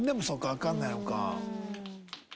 わかんないのか。